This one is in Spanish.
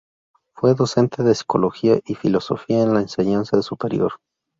Fue docente de psicología y filosofía en la enseñanza superior.